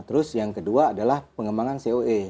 terus yang kedua adalah pengembangan coe